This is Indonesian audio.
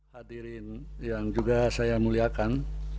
hadirin yang juga saya muliakan